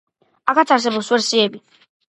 აქაც არსებობს ვერსიები.